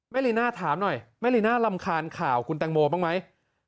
ลีน่าถามหน่อยแม่ลีน่ารำคาญข่าวคุณแตงโมบ้างไหม